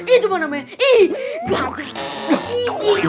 itu namanya iiih gajah